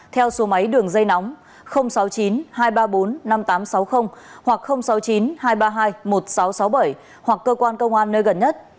theo số máy đường dây nóng sáu mươi chín hai trăm ba mươi bốn năm nghìn tám trăm sáu mươi hoặc sáu mươi chín hai trăm ba mươi hai một nghìn sáu trăm sáu mươi bảy hoặc cơ quan công an nơi gần nhất